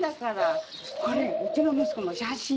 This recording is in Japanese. これうちの息子の写真。